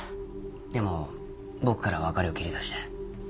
でも僕から別れを切り出して。